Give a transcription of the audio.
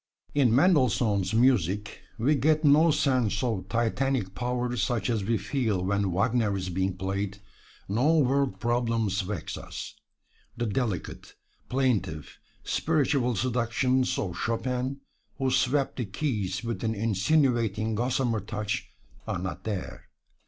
In Mendelssohn's music we get no sense of Titanic power such as we feel when "Wagner" is being played; no world problems vex us. The delicate, plaintive, spiritual seductions of Chopin, who swept the keys with an insinuating gossamer touch, are not there.